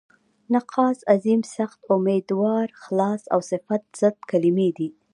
نقصان، عظیم، سخت، امیدوار، خلاص او صفت ضد کلمې دي.